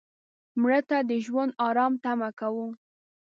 مړه ته د ژوند آرام تمه کوو